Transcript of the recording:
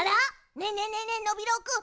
ねえねえねえねえノビローくん。